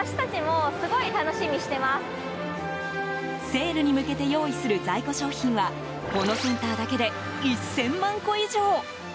セールに向けて用意する在庫商品はこのセンターだけで１０００万個以上。